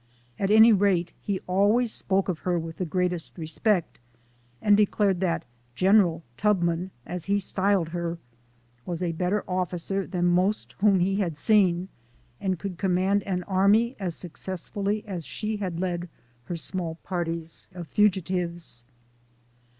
At any rate, he always spoke of her with the greatest respect, and declared that ' General Tubman,' as he styled her, was a better officer than most whom he had seen, and could command an army as successfully as she had led her small parties of fugitives.